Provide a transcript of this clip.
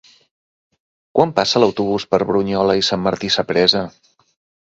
Quan passa l'autobús per Brunyola i Sant Martí Sapresa?